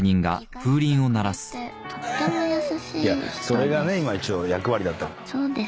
それがね今一応役割だったから。